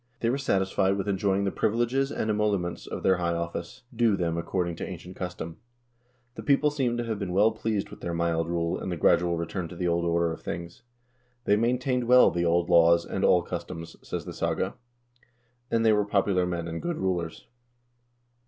They were satisfied with enjoying the privileges and emoluments of their high office, due them according to ancient custom. The people seem to have been well pleased with their mild rule and the gradual return to the old order of things. "They maintained well the old laws and all cus toms," says the saga, " and they were popular men and good rulers."